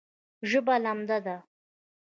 ژبه لمده ده